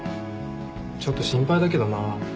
ちょっと心配だけどな。